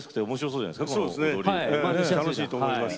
楽しいと思います。